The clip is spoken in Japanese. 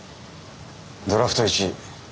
ドラフト１位。